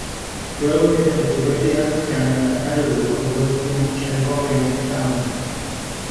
Gyrrwyd y diwydiant gan yr elw o werthiant cerddoriaeth dalen.